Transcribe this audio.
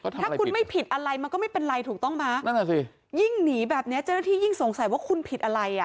ถ้าคุณไม่ผิดอะไรมันก็ไม่เป็นไรถูกต้องไหมนั่นแหละสิยิ่งหนีแบบเนี้ยเจ้าหน้าที่ยิ่งสงสัยว่าคุณผิดอะไรอ่ะ